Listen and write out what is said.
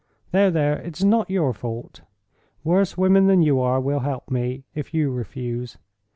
There! there! it's not your fault. Worse women than you are will help me, if you refuse.